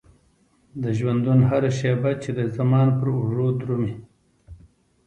د ژوندون هره شيبه چې د زمان پر اوږو درومي.